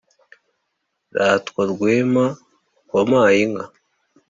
ratwa rwema wampaye inka